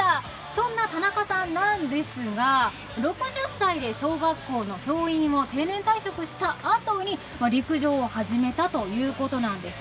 そんな田中さんなんですが６０歳で小学校の教員を定年退職したあとに陸上を始めたということなんです。